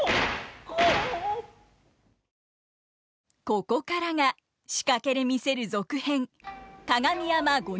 ここからが仕掛けで見せる続編